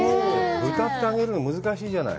豚って揚げるの難しいじゃない。